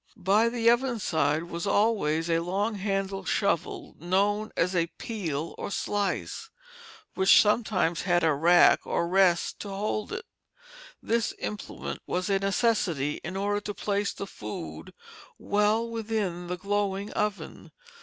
By the oven side was always a long handled shovel known as a peel or slice, which sometimes had a rack or rest to hold it; this implement was a necessity in order to place the food well within the glowing oven.